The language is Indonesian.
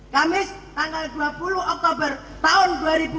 kamis tanggal dua puluh oktober tahun dua ribu dua puluh